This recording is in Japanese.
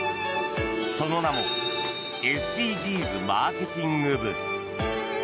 その名もＳＤＧｓマーケティング部。